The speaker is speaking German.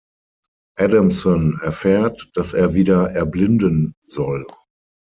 Adamson erfährt, dass er wieder erblinden soll.